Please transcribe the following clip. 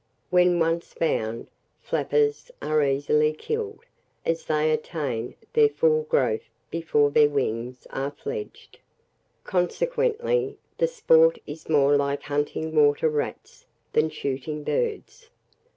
When once found, flappers are easily killed, as they attain their full growth before their wings are fledged. Consequently, the sport is more like hunting water rats than shooting birds.